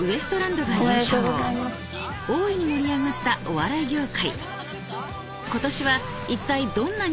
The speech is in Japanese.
［大いに盛り上がったお笑い業界］